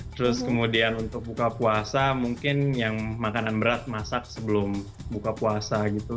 terus kemudian untuk buka puasa mungkin yang makanan berat masak sebelum buka puasa gitu